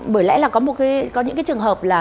bởi lẽ là có những trường hợp là